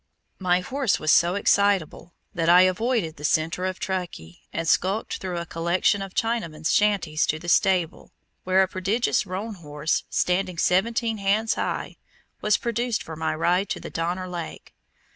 My horse was so excitable that I avoided the center of Truckee, and skulked through a collection of Chinamen's shanties to the stable, where a prodigious roan horse, standing seventeen hands high, was produced for my ride to the Donner Lake.